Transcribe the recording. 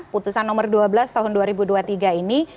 putusan nomor dua belas tahun dua ribu dua puluh tiga ini